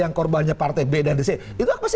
yang korbannya partai b dan c itu pasti